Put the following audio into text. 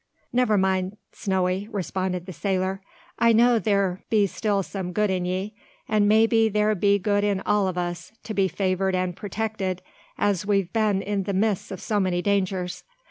"Never mind, Snowy," responded the sailor, "I know there be still some good in ye; and maybe there be good in all o' us, to be favoured and protected as we've been in the midst o' so many dangers.